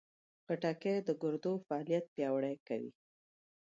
خټکی د ګردو فعالیت پیاوړی کوي.